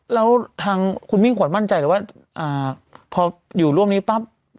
แล้วทางคุณมิ่งขวัญมั่นใจเลยว่าพออยู่ร่วมนี้ปั๊บ